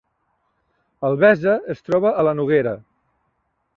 Albesa es troba a la Noguera